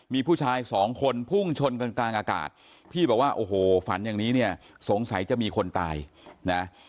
มีผู้ชายสองคนพุ่งชนกลางอากาศพี่บอกว่าโอ้โหฝันอย่างนี้เนี่ยสงสัยจะมีคนตายนะ